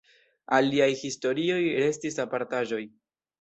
Aliaj historioj restis apartaĵoj.